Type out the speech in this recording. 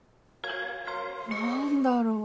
何だろう？